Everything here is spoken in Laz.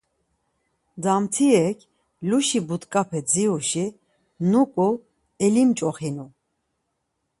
Damtirek luşi but̆ǩape dziruşi nuǩu elimç̌oxinu.